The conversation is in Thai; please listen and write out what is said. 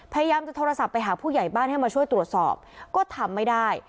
พยายามจะโทรศัพท์ไปหาผู้ใหญ่บ้านให้มาช่วยตรวจสอบก็ทำไม่ได้